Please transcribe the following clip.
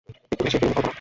একটু বেশিই ফিল্মি কল্পনা।